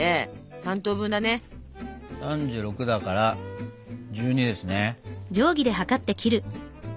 ３６だから１２ですね。